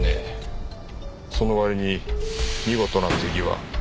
その割に見事な手際。